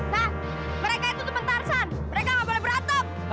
sah mereka itu teman tarhan mereka ga boleh berantem